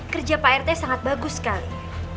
kerja pak rt sangat bagus sekali